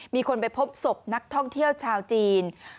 มีคนไปพบศพนักท่องเที่ยวชาวจีน